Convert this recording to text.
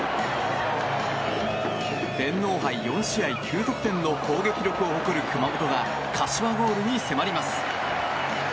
天皇杯４試合９得点の攻撃を誇る熊本が柏ゴールに迫ります。